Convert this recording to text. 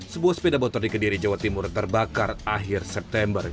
sebuah sepeda motor di kediri jawa timur terbakar akhir september